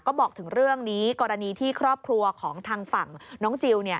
ก็บอกถึงเรื่องนี้กรณีที่ครอบครัวของทางฝั่งน้องจิล